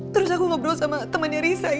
terus aku ngobrol sama temannya risa